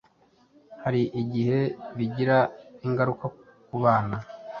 Hari igihe bigira ingaruka ku bana